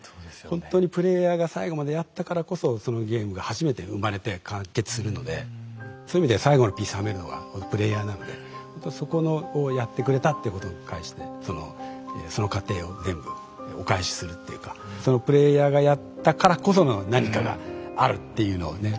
ほんとにプレイヤーが最後までやったからこそそのゲームが初めて生まれて完結するのでそういう意味ではそこをやってくれたってことに対してその過程を全部お返しするっていうかそのプレイヤーがやったからこその何かがあるっていうのをね